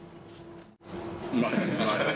うまい！